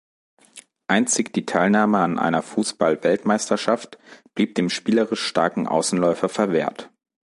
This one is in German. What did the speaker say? Einzig die Teilnahme an einer Fußball-Weltmeisterschaft blieb dem spielerisch starken Außenläufer verwehrt.